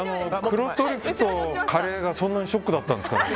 黒トリュフとカレーがそんなにショックだったんですかね。